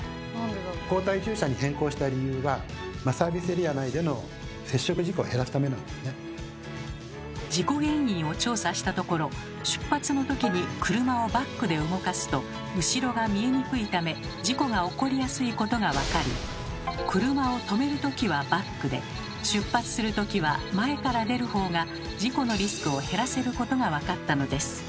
後退駐車に変更した理由は事故原因を調査したところ出発の時に車をバックで動かすと後ろが見えにくいため事故が起こりやすいことが分かり車をとめる時はバックで出発する時は前から出る方が事故のリスクを減らせることが分かったのです。